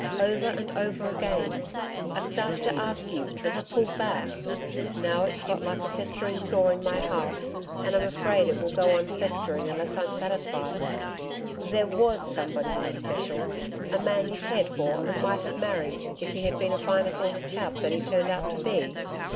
Over and over again, I've started to ask you and have pulled back. Now it's got like a festering sore in my heart, and I'm afraid it will go on festering unless I'm satisfied. There WAS somebody in especial a man you cared for and might have married if he had been a finer sort of chap than he turned out to be?'